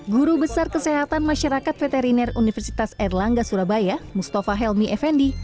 guru besar kesehatan masyarakat veteriner universitas erlangga surabaya mustafa helmi effendi